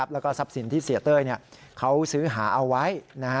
แล้วก็ทรัพย์สินที่เสียเต้ยเขาซื้อหาเอาไว้